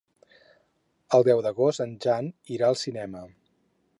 El deu d'agost en Jan irà al cinema.